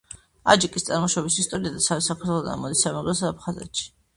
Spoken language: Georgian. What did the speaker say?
აჯიკის წარმოშობის ისტორია დასავლეთ საქართველოდან მოდის, სამეგრელოსა და აფხაზეთში.